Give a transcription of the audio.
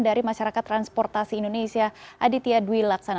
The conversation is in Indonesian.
dari masyarakat transportasi indonesia aditya dwi laksana